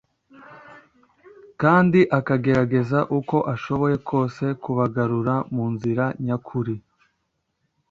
kandi akagerageza uko ashoboye kose kubagarura mu nzira nyakuri